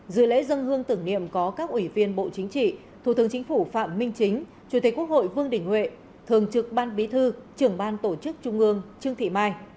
dự lễ dân hương tưởng niệm có các ủy viên bộ chính trị thủ tướng chính phủ phạm minh chính chủ tịch quốc hội vương đình huệ thường trực ban bí thư trưởng ban tổ chức trung ương trương thị mai